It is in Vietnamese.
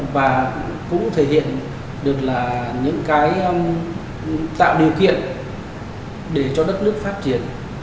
và cũng thể hiện được là những cái tạo điều kiện để cho đất nước phát triển